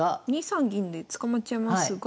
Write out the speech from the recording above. ２三銀で捕まっちゃいますが。